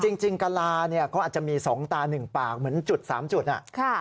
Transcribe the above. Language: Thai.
จริงจริงกระลาเนี่ยก็อาจจะมีสองตาหนึ่งปากเหมือนจุดสามจุดอ่ะค่ะ